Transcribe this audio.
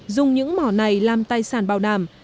dùng những mỏ này làm tài sản bảo đảm